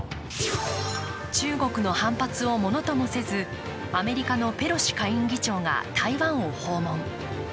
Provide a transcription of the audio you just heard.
中国の反発をものともせず、アメリカのペロシ下院議長が台湾を訪問。